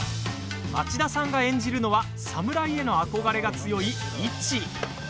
町田さんが演じるのは侍への憧れが強いイチ。